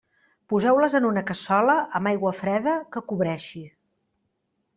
Poseu-les en una cassola, amb aigua freda, que cobreixi.